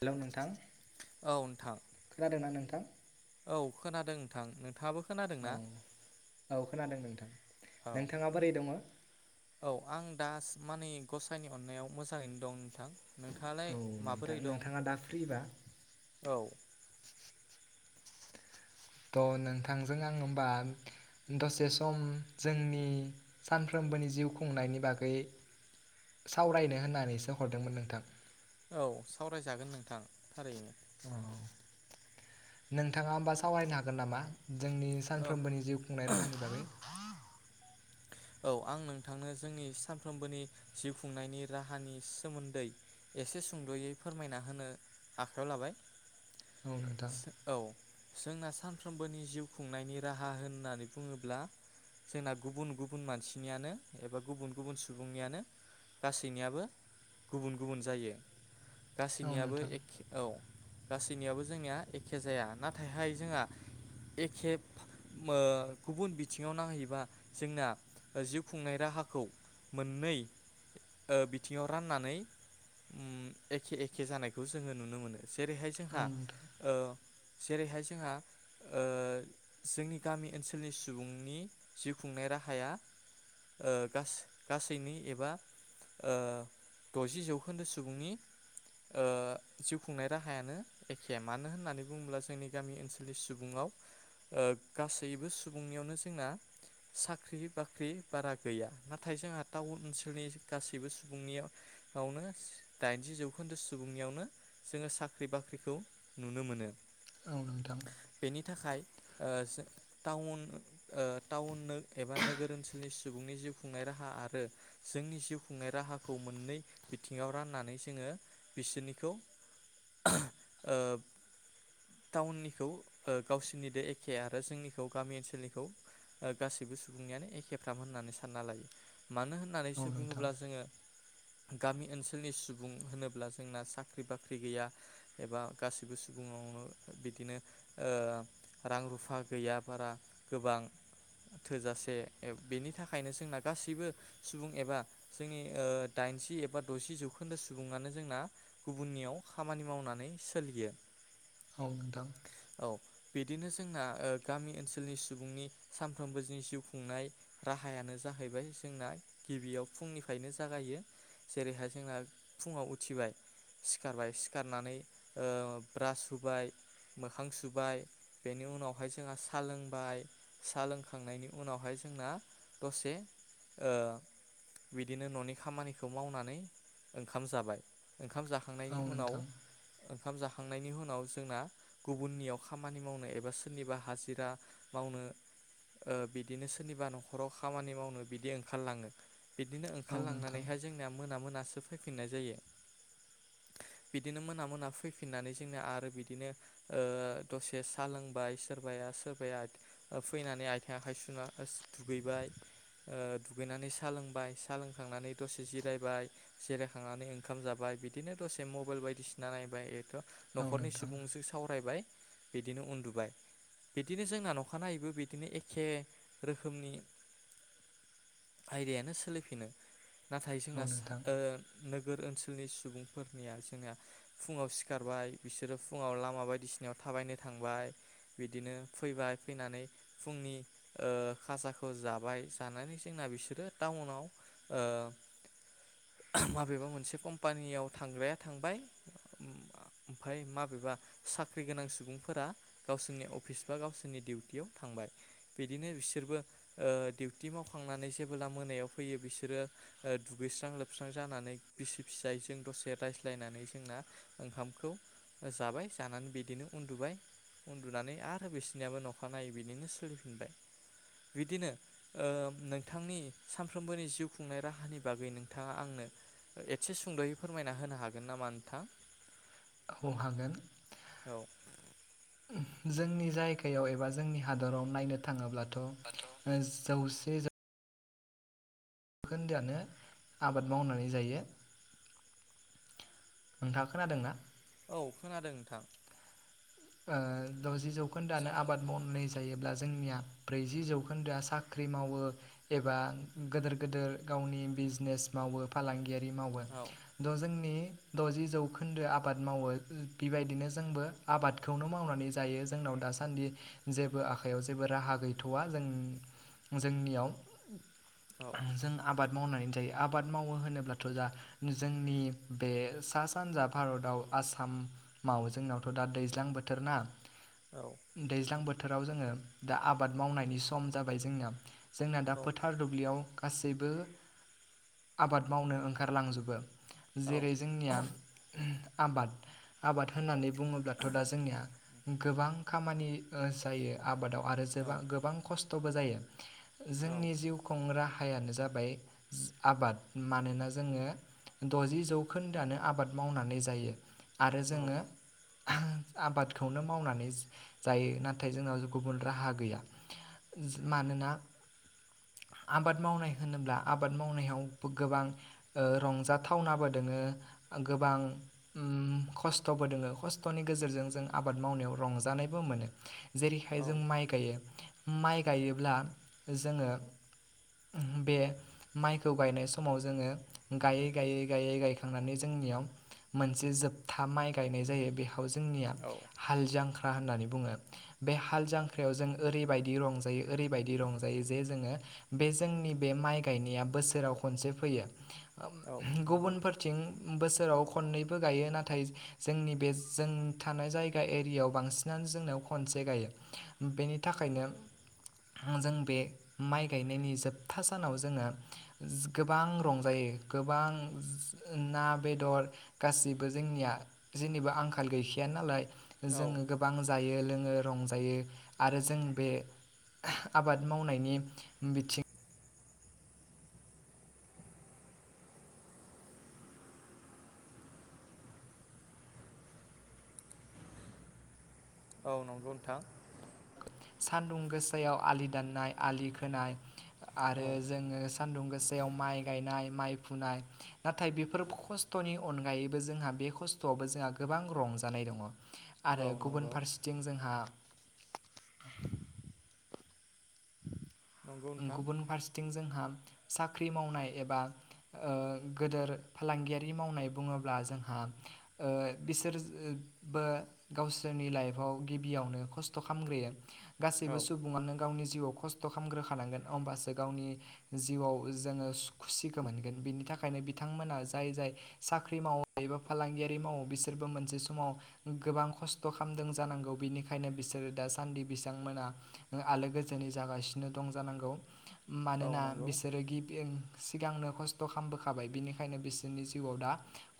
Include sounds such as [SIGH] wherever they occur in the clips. Hello नोंथां औ नोंथां खोनादों ना नों थां औ खोनादों नोंथां नोंथाङाबो खोनादों औ ना औ खोनादों नोंथां औ नोंथाङा बोरै दङ औ आं दा माने गसाइनि अननायाव मोजाङैनो दं नोंथां नोंथाङालाय नोंथां माबोरै दं नोंथाङा दा फ्रिबा औ थ' नोंथांजों आं होमबा दसे सम जोंनि सानफ्रोमबोनि जिउ खुंनायनि बागै सावरायनो होननानैसो हरदोंमोन नोंथां औ सावरायजागोन नोंथां थारैनो औ नोंथाङा होमबा सावरायनो हागोन नामा जोंनि औ सानफ्रोमबोनि जिउ खुंनाय राहानि बागै औ आं नोंथांनो जोंनि सानफ्रोमबोनि जिउ खुंनायनि राहानि सोमोन्दै एसे सुंद'यै फोरमायना होनो आखायाव लाबाय औ नोंथां औ जोंना सानफ्रोमबोनि जिउ खुंनायनि राहा होननानै बुङोब्ला जोंना गुबुन गु बुन मानसिनियानो एबा गुबुन गुबुन सुबुंनियानो गासैनियाबो गुबुन गुबुन जायो। औ गासैनियाबो नोंथां एखे औ गासैनियाबो जोंनिया एखे जाया नाथायहाय जोंहा एखे ओ गुबुन बिथिङाव नांहैबा जोंना जिउ खुंनाय राहाखौ मोननै ओ बिथिङाव राननानै उम एखे एखे जानायखौ जोङो नुनो मोनो। जेरैहाय औ जोंहा नोंथां ओ जेरैहाय जोंहा ओ जोंनि गामि ओनसोलनि सुबुंनि जिउ खुंनाय राहाया। ओ गासै-गासैनि एबा ओ द'जि जौखोन्दो सुबुंनि ओ जिउ खुंनाय राहायानो एखे मानो होननानै बुङोब्ला जोंनि गामि ओनसोलनि सुबुङाव ओ गासैबो सुबुंनियावनो जोंना साख्रि बाख्रि बारा गैया नाथाय जोंहा टाउन ओनसोलनि गासैबो सुबुंनियावनो दाइनजि जौखोन्दो सुबुंनियावनो जोङो साख्रि बाख्रिखौ नुनो मोनो। औ नोंथां। बेनि थाखाय ओ टाउन ओ थाउन नो एबा नोगोर ओनसोलनि सुबुंनि जिउ खुंनाय राहा आरो जोंनि जिउ खुंनाय राहाखौ मोननै बिथिङाव राननानै जोङो बिसोरनिखौ ओ टाउननिखौ ओ गावसोरनि एखे आरो जोंनिखौ गामि ओनसोलनिखौ ओ गासैबो सुबुंनियानो एखे। खेफ्राम होननानै सानना लायो। मानो औ होननानैसो नोंथां बुङोब्ला जोङो गामि ओनसोलनि सुबुं होनोब्ला जोंना साख्रि बाख्रि गैया एबा गासैबो सुबुंआवनो बिदिनो ओ रां रुफा गैया बारा गोबां थोजासे बेनि थाखायनो जोंना गासैबो सुबुं एबा जोंनि ओ दाइनजि एबा द'जि जौखोन्दो सुबुङानो जोंना गुबुननियाव खामानि मावनानै सोलियो। औ नोंथां। औ बिदिनो जोंना ओ गामि ओनसोलनि सुबुंनि सानफ्रोमबो जि जिउ खुंनाय राहायानो जाहैबाय जोंना गिबियाव फुंनिफ्रायनो जागायो जेरैहाय जोंना फुङाव उथिबाय सिखारबाय सिखारनानै ओ ब्रास हुबाय मोखां सुबाय बेनि उनावहाय जोंहा साहा लोंबाय साहा लोंखांनायनि उनावहाय जोंना दसे ओ बिदिनो न'नि खामानिखौ मावनानै ओंखाम जाबाय। ओंखाम औ जाखांनायनि उनाव नोंथां ओंखाम जाखांनायनि उनाव जोंना गुबुननियाव खामानि मावनो एबा सोरनिबा हाजिरा मावनो ओ बिदिनो सोरनिबा न'खराव खामानि मावनो बिदि ओंखारलाङो। बिदिनो औ नोंथां ओंखारलांनानैहाय जोंनिया मोना मोना। सो फौफिननाय बिदिनो मोना मोना फौफिननानै जोंना आरो बिदिनो ओ दसे साहा लोंबाय सोरबाया सोरबाया फैनानै आथिं आखाय सु [UNINTELLIGIBLE] दुगैबाय ओ दुगैनानै साहा लोंबाय साहा लोंखांनानै दसे जिरायबाय जिरायखांनानै ओंखाम जाबाय बिदिनो दसे मबाइल बायदिसिना नायबाय औ न'खरनि नोंथां सुबुंजों सावरायबाय। बिदिनो उन्दुबाय बिदिनो जोंना अखानायैबो बिदिनो एखे रोखोमनि आयदायानो सोलिफिनो नाथाय औ जोंना नोंथां ओ नोगोर ओनसो स्कुलनि सुबुंफोरनिया जोंना फुंङाव सिखारबाय बिसोरो फुंङाव लामा बायदिसिनायाव थाबायनो थांबाय बिदिनो फैबाय फैनानै फुंनि ओ खाजाखौ जाबाय जानानै जोंना बिसोरो टाउनाव ओ माबेबा मोनसे कम्पानियाव थांग्राया थांबाय ओमफाय माबेबा साख्रि गोनां सुबुंफोरा गावसोरनि अफिस बा गावसोरनि डिउटियाव थांबाय। बिदिनो बिसोरबो ओ डिउटि मावखांनानै जेबोब्ला मोनायाव फैयो बिसोरो ओ दुगैस्रां लोबस्रां जानानै बिसि फिसाय जों दसे रायज्लायनानै जोंना ओंखामखौ जाबाय जानानै बिदिनो उन्दुबाय उन्दुनानै आरो बिसनियाबो अखा नायै बिदिनो सोलि फिनबाय बिदिनो ओ नोंथांनि सानफ्रोमबोनि जिउ खुंनाय राहानि बागै नोंथाङा आंनो एसे सुंद'यै फोरमायना होनो हागोन नामा नोंथां? औ हागोन। औ जोंनि जायगायाव एबा जोंनि हादराव नायनो थांङोब्ला जौसे खोन्दोआनो आबाद मावनानै जायो नोंथाङा खोनादोंना? औ खोनादों नोंथां। ओ द'जि जौखोन्दानो आबाद मावनानै। दायोब्ला जोंनिया ब्रौजि जौखोन्दोया साख्रि मावो एबा गोदोर गोदोर गावनि बिजिनेस मावो फालांगि मावगोन औ थ' जोंनि द'जि जौखोन्दो आबाद मावो बेबायदिनो जोंबो आबाद खौनो मावनानै जायो जोंनाव दासानदि जेबो आखाइयाव जेबो राहा गैथ'वा जों जोंनियाव औ जों आबाद मावनानै जायो आबाद मावो होनोब्लाथ' दा जोंनि बे सा सानजा भारताव आसामाव जोंनावथ' दा दै ज्लां बोथोर ना औ दैज्लां बोथ थोराव जोङो दा आबाद मावनायनि सम जाबाय जोंना। जोंना दा औ फोथार दुब्लियाव गासैबो आबाद मावनो ओंखारलांजोबो। औ जेरै जोंनिया आबाद आबाद होननानै बुङोब्ला थ' दा जोंनिया गोबां खामानि ओ जायो आबादाव। आरो जोबा गोबां खस्थ' थ'बो जायो। जोंनि जिउ खुंग्रा राहायानो जाबाय आबाद मानोना जोङो द'जि जौखोन्दोआनो आबाद मावनानै जायो। आरो जोङो आबादखौनो मावनानै जा जायो नाथाय जोंनाव गुबुन राहा गैया जो मानोना आबाद मावनाय होनोब्ला आबाद मावनायाव गोबां ओ रंजाथावनाबो दोङो गोबां उम खस्थ'बो दोङो खस थ'नि गेजेरजों जों आबाद मावनायाव रंजानायबो मोनो। जेरैहाय जों माइ गायो। माइ गायोब्ला जोङो बे माइखौ गायनाय समाव जोङो गायै गायै गायै गायखांनानै जोंनियाव मोनसे जोबथा माइ गायनाय जायो बे खौ जोंनिया औ हाल जांख ख्रा होननानै बुङो बे हाल जांख्रायाव जों ओरैबायदि रंजायो ओरैबायदि रंजायो जे जोङो बे जोंनि बे माइ गायनाया बोसोराव खनसे फैयो औ नंगौ गुबुनफोरथिं बोसोराव खननैबो गायो नाथाय जो जोंनि बे जों थानाय जायगा एरियाव बांसिनानो जोंना खनसे गायो बेनि थाखायनो जों बे माइ गायनायनि जोबथा सानाव जोङो गोबां रंजायो गोबां जो ना बेदर गासिबो जोंनिया जेनिबो आंखाल खाल गैखाया नालाय जोङो औ गोबां जायो लों ङो रंजायो आरो जों बे आबाद मावनायनि बिथिं औ नंगौ नोंथां। सान्दुं गोसायाव आलि दाननाय आलि खोनाय‌ औ आरो जोङो सान्दुं गोसायाव माइ गायनाय माइ फुनाय नाथाय बेफोर खस्थ'नि अनगायैबो जोंहा बे खस्थ'आवबो जोंहा गोबां रंजानाय दङ। औ आरो गुबुन नंगौ फारसेथिं जोंहा नंगौ नोंथां गुबुन फारसेथिं जोंहा साख्रि मावनाय एबा ओ गोदोर फालांगियारि मावनाय बुङोब्ला जोंहा ओ बिसोरजबो गावसोरनि लाइफआव गिबियावनो खस्थ' खामग्रोयो। औ गासैबो सुबुङानो गावनि जिउआव खस्थ' खामग्रोखानांगोन अमबासो गावनि जिउआव जोङो सु खुसिखौ मोनगोन बिनि थाखायनो बिथांमोना जाय जाय साख्रि मावो एबा फालांगियारि मावो बिसोरबो मोनसे समाव गोबां खस्थ' खामदों जानांगौ बिनिखायनो बिसोरो दासान्दि बिसांमोना आलो गोजोनै जागासिनो दं जानांगौ। औ मानोना नंगौ बिसोरो गिबि ओं सिगांनो खस्थ' खालामबोखाबाय बिनिखायनो बिसोरनि जिउआव दा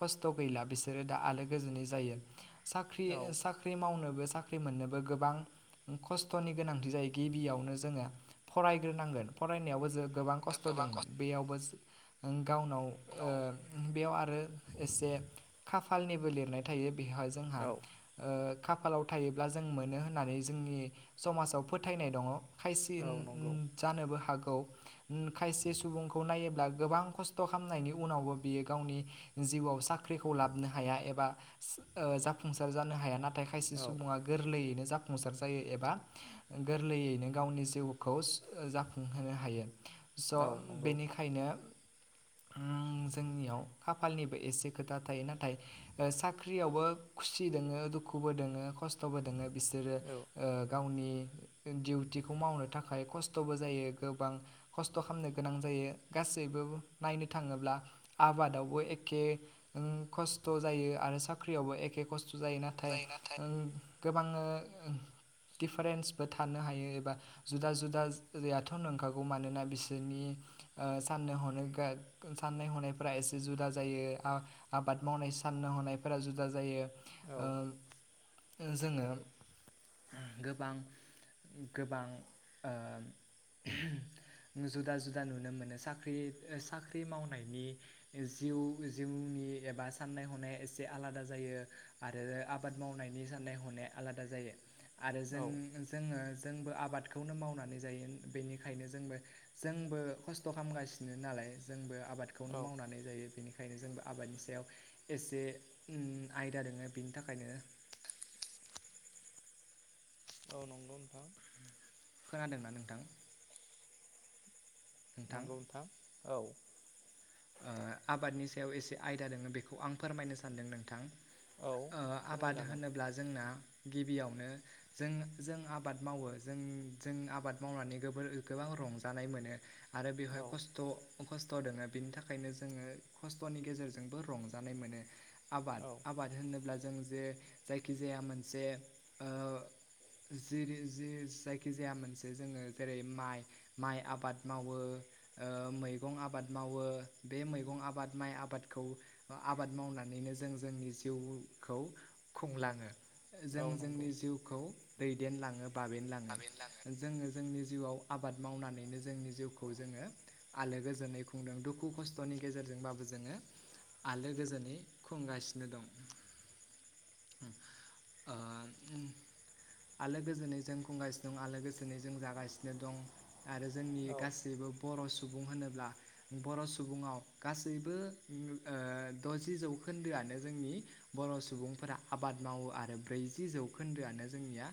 खस्थ' गैला बिसोरो दा आलो गोजोनै जायो। साख्रि औ साख्रि मावनो साख्रि मोननोबो गोबां खस्थ'नि गोनांथि जायो। गिबियावनो जोङो फरायग्रोनांगोन फरायनायावबो जों गोबां खस्थ' दंमोन बेयावबो गावनाव ओ उनाव बेयाव आरो एसे खाफालनिबो लिरनाय थायो। बेवहाय जोंहा औ ओ खाफालाव थायोब्ला जों मोनो होननानै जोंनि समाजाव फोथायनाय दङ। खायसिन औ नंगौ जानोबो हागौ उम खायसे सुबुंखौ नायोब्ला गोबां खस्थ' खालामनायनि उनावबो बियो गावनि जिउआव साख्रिखौ लाबोनो हाया एबा ओ जाफुंसार जानो हाया ना थाय खायसे औ सुबुङा गोरलैयैनो जाफुंसार जायो एबा गोरलैयैनो गावनि जिउखौ जाफुंहोनो हायो। स' औ नंगौ बेनिखायनो उम जोंनियाव खाफालनिबो एसे खोथा थायो नाथाय साख्रियावबो खुसि दोङो दुखुबो दोङो खस्थ'बो दोङ बि सोरो औ ओ गावनि दिउटि खौ मावनो थाखाय खस्थ'बो जायो गोबां खस्थ' खालामनो गोनां जायो गासैबो नायनो थाङोब्ला आबादावबो एखे ओ खस्थ' जायो आरो साख्रियावबो एखे खस थु जायो नाथाय ओ गोबाङो उम दिफारेन्सबो थानो हायो एबा जुदा जुदा जायाथ' नंखागौ मानोना बिसोरनि ओ साननो हनो साननाय हनायफोरा एसे जुदा जायो आबाद मावनाय सानाय हनायफोरा जुदा जायो। औ ओ। जोङो गोबां गोबां ओ जुदा जुदा नुनो मोनो साख्रि साख्रि मावनायनि जिउ जिउनि एबा साननाय हनाया एसे आलादा जायो। आरो आबाद मावनायनि साननाय हनाया आलादा जायो। आरो जों औ जोङो जोंबो आबाद खौनो मावनानै जायो। बेनिखायनो जोंबो जोंबो खस्थ' खालामगासिनो नालाय जोंबो औ आबादखौनो मावनानै जायो बेनि खायनो जोंबो आबादनि सायाव एसे ओ आयदा दोङो बेनि थाखायनो औ नंगौ नोंथां। खोनादोंना नोंथां? नंगौ नोंथां। औ। ओ आबादनि सायाव एसे आयदा दोङो बेखौ आं फोरमायनो सानदों नोंथां। औ ओ आबाद फोरमायजागोन होनोब्ला जोंना गिबियावनो जों जों आबाद मावो जोंनि जों आबाद मावनानै गोबां रंजानाय मोनो। आरो बेवहाय औ खस्थ' खस्थ' दोङो। बेनि था खायनो जोङो खस्थ'नि गेजेरजोंबो रंजानाय मोनो। आबाद औ आबाद होनोब्ला जों जे जायखिजाया मोनसे ओ जिरि जि जायखि जाया मोनसे जोङो जेरै माइ माइ आबाद मावो ओ मैगं आबाद मावो। बे मैगं आबाद माइ आबादखौ ओ आबाद मावनानैनो जों जोंनि जिउखौ खुंलाङो। जों औ नंगौ जोंनि जिउखौ दैदेनलाङो बाबेनलाङो जोङो जोंनि जिउआव आबाद मावनानैनो जोंनि जिउखौ जोङो आलो गोजोनै खुंदों दुखु ख खुनि गेजेरजोंबाबो जोङो आलो गोजोनै खुंगासिनो दं। ओ आलो गोजोनै जों खुंगासिनो दं आलो गोजोनै जों जागासिनो दं आरो जोंनि औ गासैबो बर' सु सुबुं होनोब्ला बर' सु बुंआव गासैबो ओ दजि जौखोन्दोआनो जोंनि बर' सुबुंफोरा आबाद मावो आरो ब्रैजि जौखोन्दोआनो जोंनिया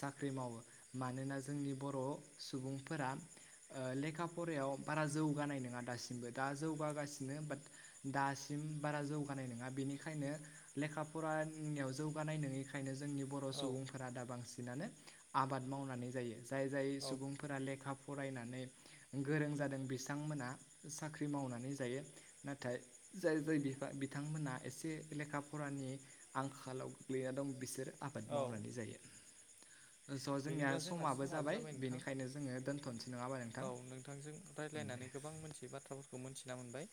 साख्रि मावो। मानोना जोंनि बर' सुबुंफोरा ओ लेखा फरायायाव बारा जौगानाय नोङा दासिमबो। दा जौगागासिनो बाट दासिम बारा जौगानाय नोङा। बेनिखायनो लेखा फरानियाव जौगानाय नङिखायनो जोंनि बर' औ सुबुंफोरा दा बांसिनानो आबाद मावनानै जायो। जाय जाय सुबुंफोरा लेखा फरायनानै गोरों जादों बिथांमोना साख्रि मावनानै जायो। नाथाय जाय जाय बिफा बिथांमोनहा एसे लेखा फरानि आंखालाव गोग्लैना दं बिसोर आबाद औ मावनानै जायो। स' जोंनिया बिदिब्ला जोंना समाबो जाबाय नोंथां बेनिखायनो जोङो दोन्थ'नोसै नङाबा औ नोंथां दे। खौ मोन्थिना मोनबाय।